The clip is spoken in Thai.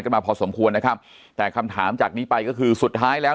มาพอสมควรนะครับแต่คำถามจากนี้ไปก็คือสุดท้ายแล้ว